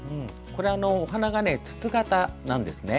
お花が筒形なんですね。